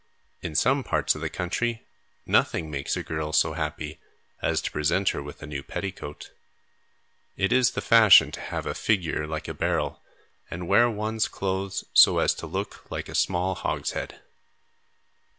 In some parts of the country, nothing makes a girl so happy as to present her with a new petticoat. It is the fashion to have a figure like a barrel and wear one's clothes so as to look like a small hogshead.